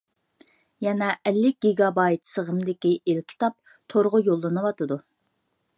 يەنە ئەللىك گىگابايت سىغىمدىكى ئېلكىتاب تورغا يوللىنىۋاتىدۇ.